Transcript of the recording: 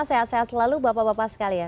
sehat sehat selalu bapak bapak sekalian